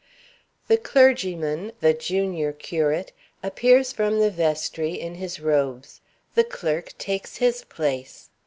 The clergyman (the junior curate) appears from the vestry in his robes. The clerk takes his place.